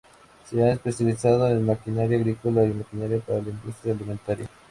Se ha especializado en maquinaria agrícola y maquinaria para la industria alimentaria.